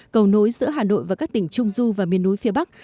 cầu nối giữa hà nội và các tỉnh trung du và miền núi phía bắc